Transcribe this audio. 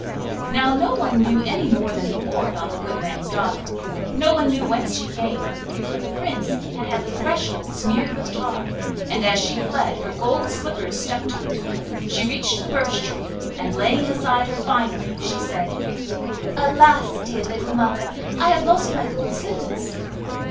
Now no one knew any more than before about the good man's daughter, no one knew whence she came; but the Prince had had the threshold smeared with tar, and as she fled her gold slippers stuck to it. She reached the birch tree, and laying aside her finery, she said: 'Alas I dear little mother, I have lost my gold slippers!